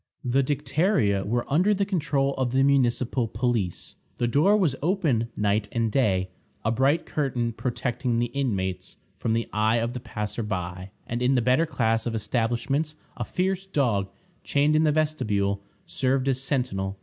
The Dicteria were under the control of the municipal police. The door was open night and day, a bright curtain protecting the inmates from the eye of the passer by; and in the better class of establishments, a fierce dog, chained in the vestibule, served as sentinel.